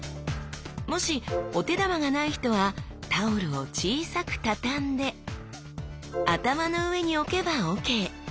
もしお手玉がない人はタオルを小さく畳んで頭の上に置けばＯＫ！